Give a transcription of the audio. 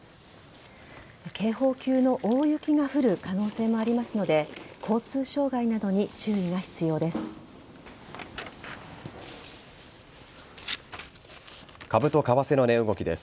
警報級の大雪が降る可能性もありますので交通障害などに注意が必要です。